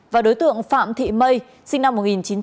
và đối tượng phạm thị mây sinh năm một nghìn chín trăm bảy mươi sáu